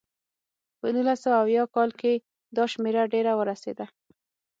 په نولس سوه اویا کال کې دا شمېره ډېره ورسېده.